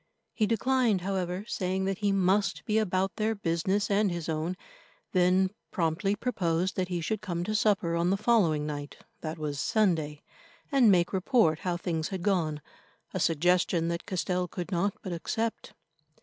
He declined, however, saying that he must be about their business and his own, then promptly proposed that he should come to supper on the following night that was—Sunday—and make report how things had gone, a suggestion that Castell could not but accept.